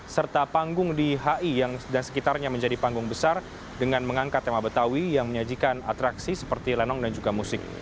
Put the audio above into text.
serta panggung di hi dan sekitarnya menjadi panggung besar dengan mengangkat tema betawi yang menyajikan atraksi seperti lenong dan juga musik